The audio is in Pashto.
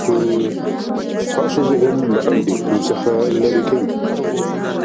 ستاسو ذهن له اندیښنو څخه لرې کوي.